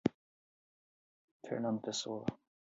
Fernando Pessoa